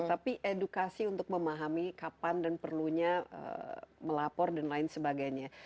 tapi edukasi untuk memahami kapan dan perlunya melapor dan lain sebagainya